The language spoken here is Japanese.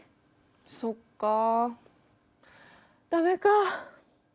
そっかあダメかあ。